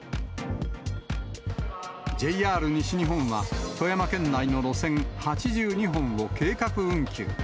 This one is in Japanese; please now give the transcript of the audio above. ＪＲ西日本は、富山県内の路線８２本を計画運休。